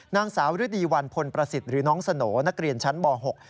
นางสาวฤดีวันพลประสิทธิ์หรือน้องสโหน่นักเรียนชั้นม๖